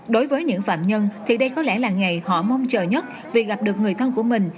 đối với những phạm nhân thì đây có lẽ là ngày họ mong chờ nhất vì gặp được người thân của mình